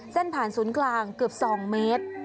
เส้นผ่านศูนย์กลางเกือบ๒เมตร